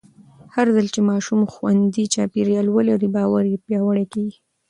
هرځل چې ماشومان خوندي چاپېریال ولري، باور یې پیاوړی کېږي.